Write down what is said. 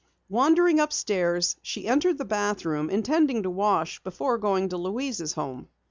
Wandering upstairs, she entered the bathroom, intending to wash before going to Louise's home.